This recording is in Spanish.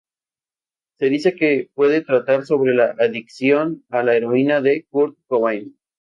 Se dice que puede tratar sobre la adicción a la heroína de Kurt Cobain.